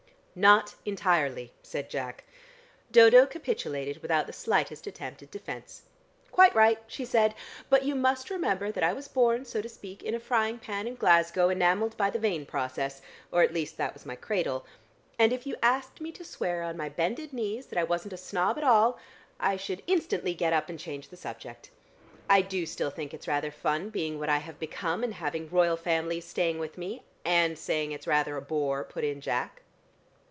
"Not entirely," said Jack. Dodo capitulated without the slightest attempt at defence. "Quite right!" she said. "But you must remember that I was born, so to speak, in a frying pan in Glasgow, enamelled by the Vane process, or at least that was my cradle, and if you asked me to swear on my bended knees that I wasn't a snob at all, I should instantly get up and change the subject. I do still think it's rather fun being what I have become, and having Royal Families staying with me " "And saying it's rather a bore," put in Jack.